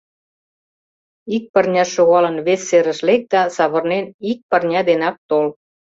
Ик пырняш шогалын, вес серыш лек да, савырнен, ик пырня денак тол.